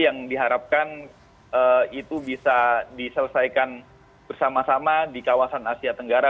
yang diharapkan itu bisa diselesaikan bersama sama di kawasan asia tenggara